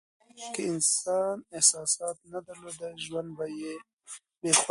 که انسان احساسات نه درلودلای نو ژوند به يې بې خونده وو